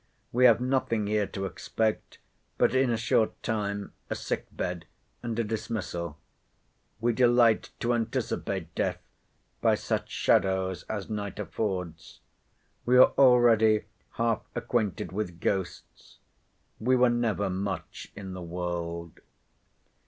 We have nothing here to expect, but in a short time a sick bed, and a dismissal. We delight to anticipate death by such shadows as night affords. We are already half acquainted with ghosts. We were never much in the world.